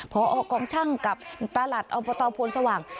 พอกองชั่งกับประหลัดอพนธ์สว่าง